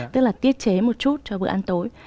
tức là tiết chế một chút cho bữa ăn tối